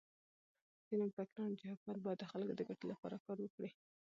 ځيني مفکران وايي، چي حکومت باید د خلکو د ګټي له پاره کار وکړي.